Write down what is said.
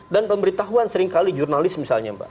pemberitahuan seringkali jurnalis misalnya mbak